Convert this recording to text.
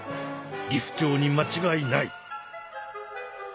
ギフチョウにまちがいない。